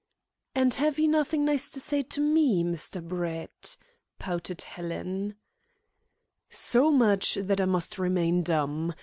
"And have you nothing nice to say to me, Mr. Brett?" pouted Helen. "So much that I must remain dumb.